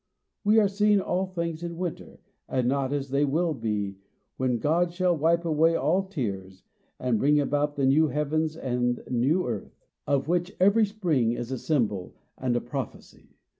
We are seeing all things in winter, and not as they will be when God shall wipe away all tears, and bring about the new heavens and new earth, of which every spring is a symbol and a prophecy.